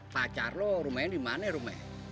pacar lu rumahnya dimana rum ya